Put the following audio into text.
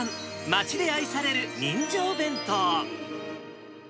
町で愛される人情弁当。